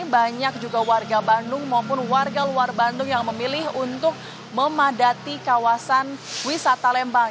banyak juga warga bandung maupun warga luar bandung yang memilih untuk memadati kawasan wisata lembang